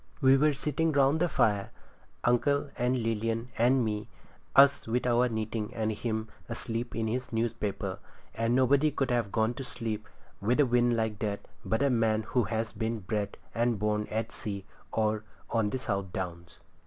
We were sitting round the fire, uncle and Lilian and me, us with our knitting and him asleep in his newspaper, and nobody could have gone to sleep with a wind like that but a man who has been bred and born at sea, or on the South Downs.